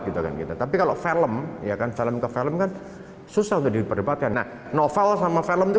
bukan kita tapi kalau film ya kan salam ke film kan susah untuk diperbatkan novel sama film itu